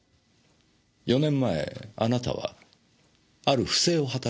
４年前あなたはある不正を働いていました。